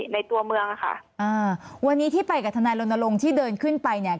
ในตัวเมืองอะค่ะอ่าวันนี้ที่ไปกับทนายรณรงค์ที่เดินขึ้นไปเนี่ย